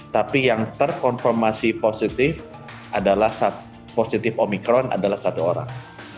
tapi yang terkonformasi positif omikron adalah satu orang